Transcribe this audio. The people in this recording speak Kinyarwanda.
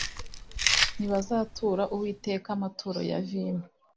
Ntibazatura Uwiteka amaturo ya vino